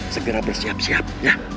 segera bersiap siap ya